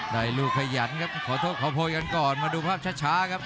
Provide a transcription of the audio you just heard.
ลูกขยันครับขอโทษขอโพยกันก่อนมาดูภาพช้าครับ